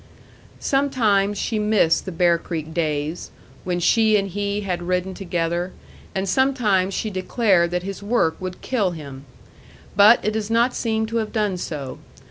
Sometimes she missed the Bear Creek days, when she and he had ridden together, and sometimes she declared that his work would kill him. But it does not seem to have done so.